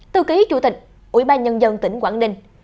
tư ký chủ tịch ubnd tỉnh quảng ninh